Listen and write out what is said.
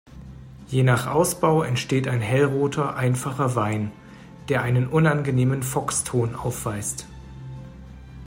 Je nach Ausbau entsteht ein hellroter, einfacher Wein, der einen unangenehmen Fox-Ton aufweist.